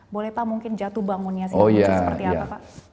boleh pak mungkin jatuh bangunnya sendiri itu seperti apa pak